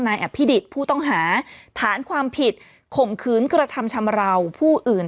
นายแอบพิฏิฐฯผู้ต้องหาฐานความผิดข่งคืนกรรธรรมชำราวผู้อื่น